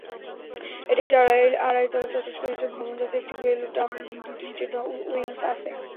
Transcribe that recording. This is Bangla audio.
এটি একটি আড়াই তলা, চতুষ্কোণ ইটের ভবন, যাতে একটি বেল টাওয়ার এবং দুইটি ইটের উইংস আছে।